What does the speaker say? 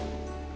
yang raya itu